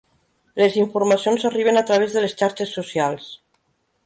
Les informacions arriben a través de les xarxes socials.